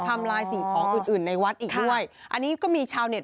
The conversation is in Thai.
ทำร้ายสิ่งของอื่นในวัดอีกด้วย